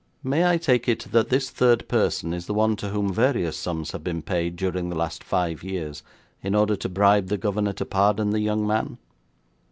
'May I take it that this third person is the one to whom various sums have been paid during the last five years in order to bribe the governor to pardon the young man?'